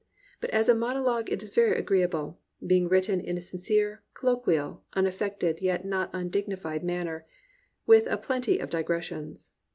But as a monologue it is very agreeable, being written in a sincere, colloquial, unaffected yet not undignified manner, with a plenty of digressions.